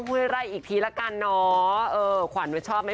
ให้ไล่อีกทีละกันเนาะ